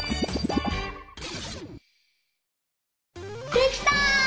できた！